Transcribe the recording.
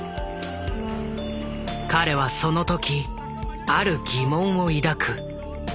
彼はその時ある疑問を抱く。